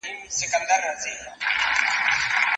ایا استاد د شاګرد هڅه ستايي؟